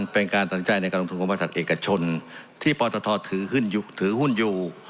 เป็นการสนใจในการลงทุนของบริษัทเอกชนที่ปตทถือหุ้นอยู่